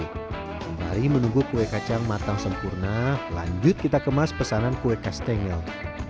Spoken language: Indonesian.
sembari menunggu kue kacang matang sempurna lanjut kita kemas pesanan kue castengel